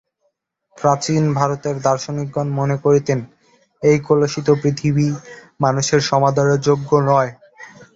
প্রাচীন ভারতের দার্শনিকগণ মনে করিতেন, এই কলুষিত পৃথিবী মানুষের সমাদরের যোগ্য নয়।